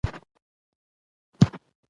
ما ویلي و په یوه غیشي دوه ښکاره کوو.